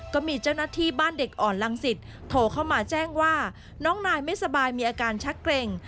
ก็มีเจ้าหน้าที่บ้านเด็กอ่อนลังศิษย์โทรเข้ามาแจ้งว่าน้องนายไม่สบายมีอาการชักเกร็ง